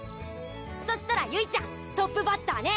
そしたらゆいちゃんトップバッターね！